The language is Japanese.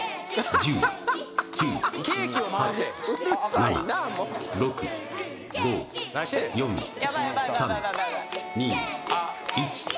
１０９８７６５４３２１